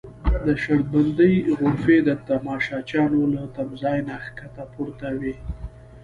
د شرط بندۍ غرفې د تماشچیانو له تمځای نه کښته پرتې وې.